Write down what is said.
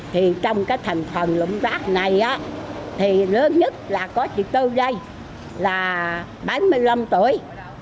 trong thành phần lũng rác này lớn nhất là có chị tư đây là bảy mươi năm tuổi